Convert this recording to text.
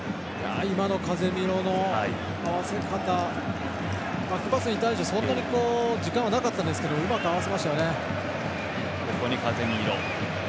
今のカゼミーロの合わせ方バックパスに対してそんなに時間はなかったんですがうまく合わせましたね。